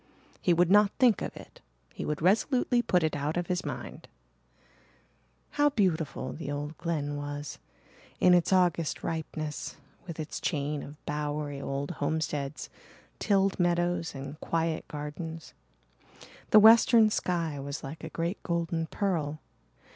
He would not think of it he would resolutely put it out of his mind. How beautiful the old Glen was, in its August ripeness, with its chain of bowery old homesteads, tilled meadows and quiet gardens. The western sky was like a great golden pearl.